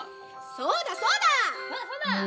そうだそうだ！